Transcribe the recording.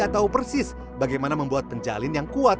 kita tahu persis bagaimana membuat penjalin yang kuat